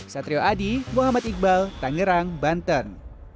satrio adi muhammad iqbal tangerang banten